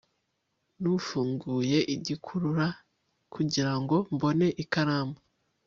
nafunguye igikurura kugirango mbone ikaramu